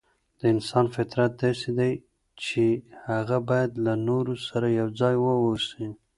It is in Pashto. د انسان فطرت داسې دی چي هغه بايد له نورو سره يو ځای واوسي.